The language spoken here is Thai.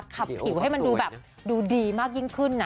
ขับผิวให้มันดูแบบดูดีมากยิ่งขึ้น